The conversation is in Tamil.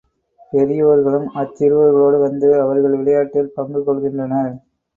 பெரியோர்களும் அச் சிறுவர்களோடு வந்து அவர்கள் விளையாட்டில் பங்கு கொள்கின்றனர்.